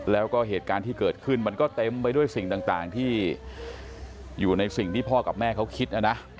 แล้วก็เหตุการณ์ที่เกิดขึ้นมันก็เต็มไปด้วยสิ่งต่างที่อยู่ในสิ่งที่พ่อกับแม่เขาคิดนะนะ